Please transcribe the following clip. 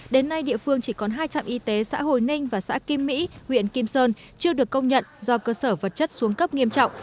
đến nay địa phương chỉ còn hai trạm y tế xã hồi ninh và xã kim mỹ huyện kim sơn chưa được công nhận do cơ sở vật chất xuống cấp nghiêm trọng